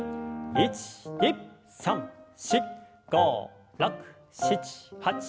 １２３４５６７８。